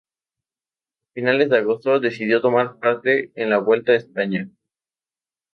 A finales de agosto, decidió tomar parte en la Vuelta a España.